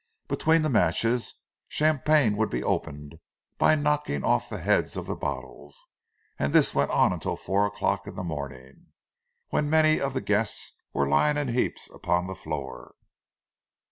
Between the matches, champagne would be opened by knocking off the heads of the bottles; and this went on until four o'clock in the morning, when many of the guests were lying in heaps upon the floor.